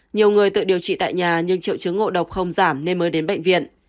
nhiều người tự điều trị tại nhà nhưng triệu chứng ngộ độc không giảm nên mới đến bệnh viện